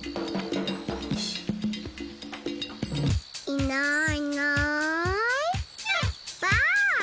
いないいないばあっ！